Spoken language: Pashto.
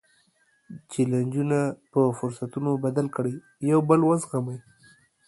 جیلنجونه په فرصتونو بدل کړئ، یو بل وزغمئ.